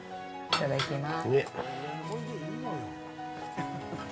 いただきます。ね。